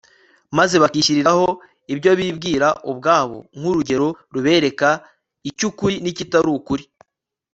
maze bakishyiriraho ibyo bibwira ubwabo nk'urugero rubereka icy'ukuri n'ikitari ukuri